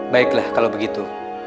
baiklah kalau begitu